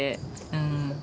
うん。